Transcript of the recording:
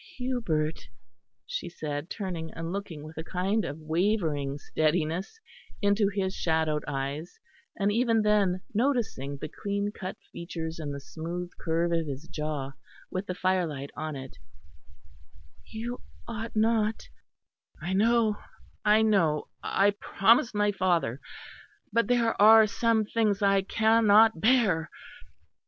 "Hubert," she said, turning and looking with a kind of wavering steadiness into his shadowed eyes, and even then noticing the clean cut features and the smooth curve of his jaw with the firelight on it, "you ought not " "I know, I know; I promised my father; but there are some things I cannot bear.